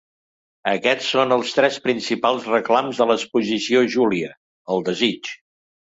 Aquests són els tres principals reclams de l’exposició Júlia, el desig.